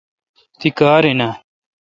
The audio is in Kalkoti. تی کار این اؘ